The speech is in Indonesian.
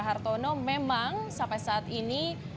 hartono memang sampai saat ini